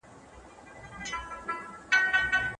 د تعلیمي پروژو تاثیر د ټولني پر وده باندي مهم دی.